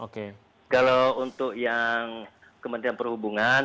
kalau untuk yang kementerian perhubungan